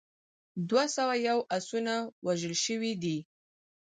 دوه سوه یو اسونه وژل شوي دي.